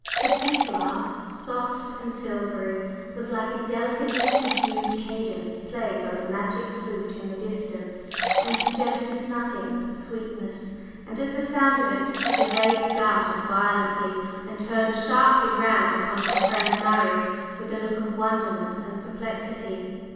But this laugh, soft and silvery, was like a delicately subdued cadence played on a magic flute in the distance, and suggested nothing but sweetness; and at the sound of it Gervase started violently and turned sharply round upon his friend Murray with a look of wonderment and perplexity.